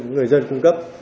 người dân cung cấp